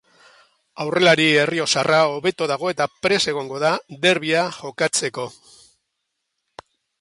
Aurrelari errioxarra hobeto dago eta prest egongo da derbia jokatzeko.